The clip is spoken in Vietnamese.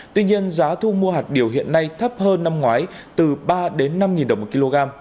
tuy nhiên giá thu mua hạt điều hiện nay thấp hơn năm ngoái từ ba đến năm đồng một kg